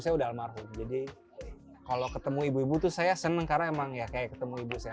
saya udah almarhum jadi kalau ketemu ibu ibu tuh saya senang karena emang ya kayak ketemu ibu saya